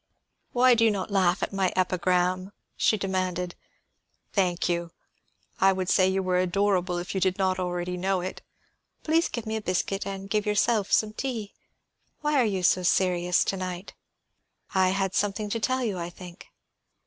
"Why do you not laugh at my epigram?" she demanded. "Thank you; I would say you were adorable if you did not already know it. Please give me a biscuit, and give yourself some tea. Why are you so serious to night?" "I had something to tell you, I think."